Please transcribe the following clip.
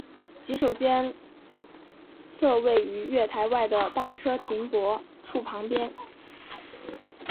洗手间则位于月台外的单车停泊处旁边。